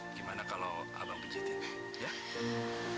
gimana kalau abang bjt ya